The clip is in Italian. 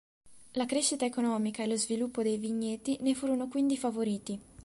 La crescita economica e lo sviluppo dei vigneti ne furono quindi favoriti.